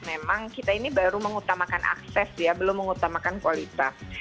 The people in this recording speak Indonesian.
memang kita ini baru mengutamakan akses ya belum mengutamakan kualitas